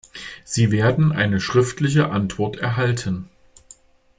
Sie werden eine schriftliche Antwort erhalten.